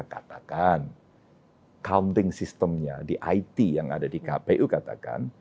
katakan counting systemnya di it yang ada di kpu katakan